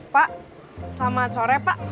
pak selamat sore pak